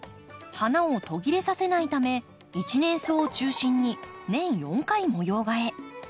花を途切れさせないため一年草を中心に年４回模様替え。